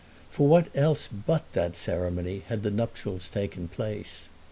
For what else but that ceremony had the nuptials taken place?